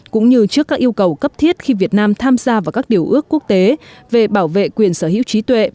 cũng như trước các yêu cầu cấp thiết khi việt nam tham gia vào các điều ước quốc tế về bảo vệ quyền sở hữu trí tuệ